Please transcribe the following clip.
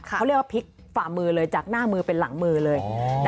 เขาเรียกว่าพลิกฝ่ามือเลยจากหน้ามือเป็นหลังมือเลย